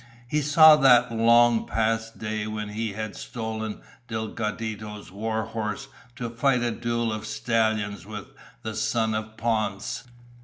He saw that long past day when he had stolen Delgadito's war horse to fight a duel of stallions with the son of Ponce.